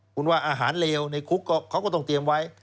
คุณว่าอาหารเลวในคุกเขาก็ต้องเตรียมไว้